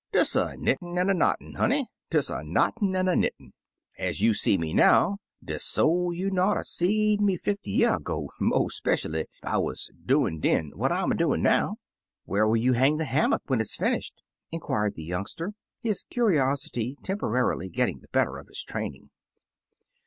"Des a knittin' an' a knottin', honey — des a knottin' an' a knittin'. Ez you sec me now, des so you mought 'a' seed me 55 Uncle Remus Returns fifty year ago, mo' speshually cf I wuz doin' den what I 'm a doin* now." Where will you hang the hammock when it is finished?" inquired the young ster, his curiosity temporarily getting the better of his training.